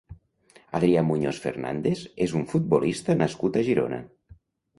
Adrià Muñoz Fernández és un futbolista nascut a Girona.